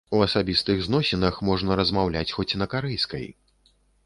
У асабістых зносінах можна размаўляць хоць на карэйскай.